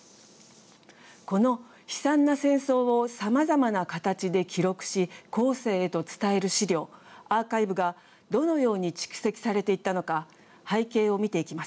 この悲惨な戦争をさまざまな形で記録し後世へと伝える資料アーカイブがどのように蓄積されていったのか背景を見ていきます。